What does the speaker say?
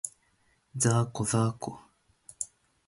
ざーこ、ざーこ